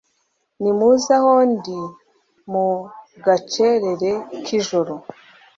nimuze aho ndi mu gacerere k'ijoro